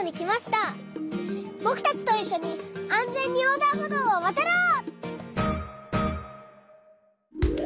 ぼくたちといっしょにあんぜんにおうだんほどうをわたろう！